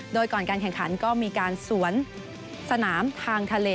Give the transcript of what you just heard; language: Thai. โดยก่อนการแข่งขันก็มีการสวนสนามทางทะเล